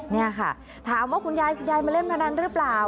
นี่ค่ะถามว่าคุณยายคุณยายมาเล่นพนันหรือเปล่า